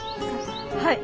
はい。